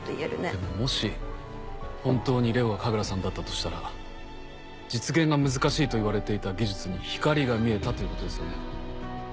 でももし本当にＬＥＯが神楽さんだったとしたら実現が難しいといわれていた技術に光が見えたということですよね。